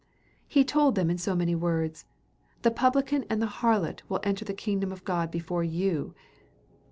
He told them in so many words, "The publican and the harlot will enter the kingdom of God before you."